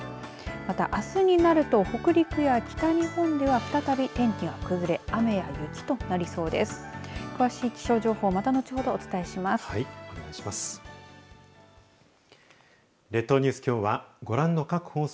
またあすになると北陸や北日本では再び、天気が崩れ雨や雪となりそうです。